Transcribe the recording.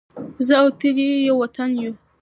زه او ته دې ېو وطن ېو